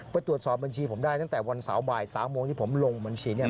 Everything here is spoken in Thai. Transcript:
ไปตรวจสอบบัญชีผมได้ตั้งแต่วันเสาร์บ่าย๓โมงที่ผมลงบัญชีเนี่ย